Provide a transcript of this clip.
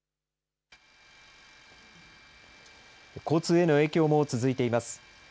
交通への影響も続いています。